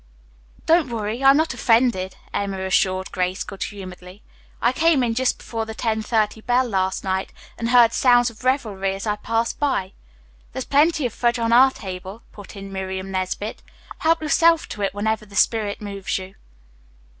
"Don't worry, I'm not offended," Emma assured Grace good humoredly. "I came in just before the ten thirty bell last night and heard sounds of revelry as I passed by." "There's plenty of fudge on our table," put in Miriam Nesbit. "Help yourself to it whenever the spirit moves you."